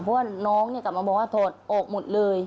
เพราะว่าน้องกลับมาบอกว่าถอดออกหมดเลย